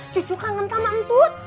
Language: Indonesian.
cucu kangen sama entut